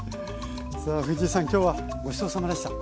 さあ藤井さん今日はごちそうさまでした。